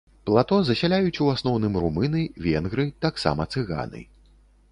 Плато засяляюць у асноўным румыны, венгры, таксама цыганы.